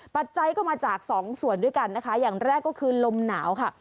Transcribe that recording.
ปัจจัยก็มาจากสองส่วนด้วยกันนะคะอย่างแรกก็คือลมหนาวค่ะ